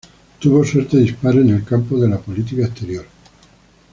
Tuvo suerte dispar en el campo de la política exterior.